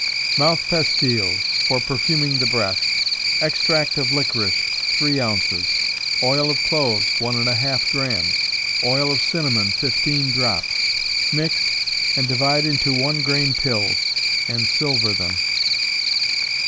Mouth Pastiles, for Perfuming the Breath. Extract of licorice, three ounces; oil of cloves, one and a half drachms; oil of cinnamon, fifteen drops. Mix, and divide into one grain pills, and silver them.